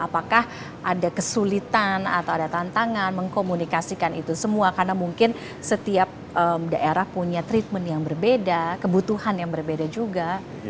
apakah ada kesulitan atau ada tantangan mengkomunikasikan itu semua karena mungkin setiap daerah punya treatment yang berbeda kebutuhan yang berbeda juga